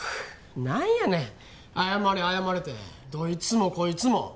なんやねん謝れ謝れってどいつもこいつも。